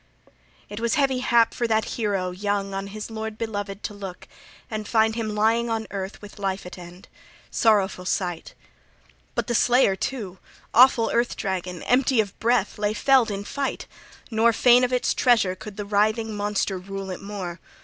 XXXVII IT was heavy hap for that hero young on his lord beloved to look and find him lying on earth with life at end, sorrowful sight. But the slayer too, awful earth dragon, empty of breath, lay felled in fight, nor, fain of its treasure, could the writhing monster rule it more.